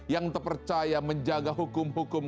yang terpercaya menjaga hukum hukum